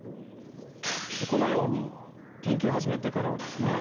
このように研究を始めてからはですね